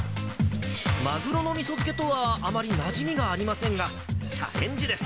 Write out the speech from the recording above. マグロのみそ漬けとは、あまりなじみがありませんが、チャレンジです。